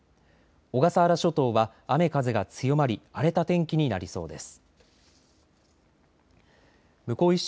小笠原諸島は雨風が強まり、荒れた天気になりそうです。